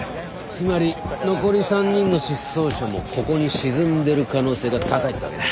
つまり残り３人の失踪者もここに沈んでる可能性が高いってわけだ。